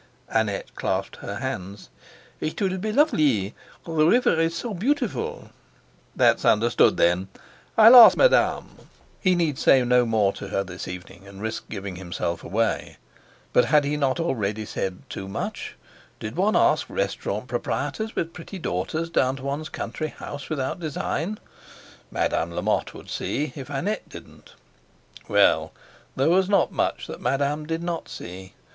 Annette clasped her hands. "It will be lovelee. The river is so beautiful" "That's understood, then. I'll ask Madame." He need say no more to her this evening, and risk giving himself away. But had he not already said too much? Did one ask restaurant proprietors with pretty daughters down to one's country house without design? Madame Lamotte would see, if Annette didn't. Well! there was not much that Madame did not see.